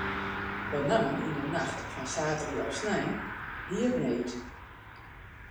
Benammen yn de nacht fan saterdei op snein gie it need.